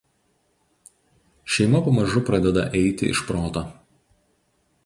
Šeima pamažu pradeda eiti iš proto.